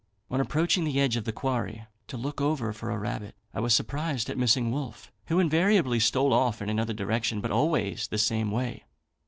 On approaching the edge of the quarry to look over for a rabbit, I was surprised at missing Wolfe, who invariably stole off in another direction, but always the same way.